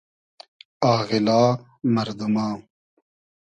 آغیلا مئردوما